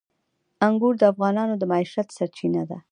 انګور د افغانانو د معیشت سرچینه ده.